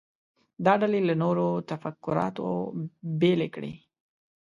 دا ډلې له نورو تفکراتو بیل کړي.